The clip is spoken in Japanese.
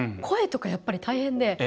声とか、やっぱり大変で。